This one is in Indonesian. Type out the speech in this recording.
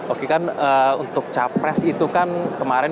oke kan untuk capres itu kan kemarin